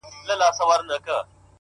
• ستا د غزلونو و شرنګاه ته مخامخ يمه؛